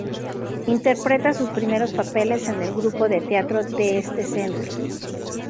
Interpreta sus primeros papeles en el grupo de teatro de este centro.